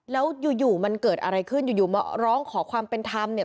แล้วอยู่มันเกิดอะไรขึ้นอยู่มาร้องขอความเป็นธรรมเนี่ย